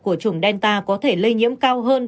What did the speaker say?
của chủng delta có thể lây nhiễm cao hơn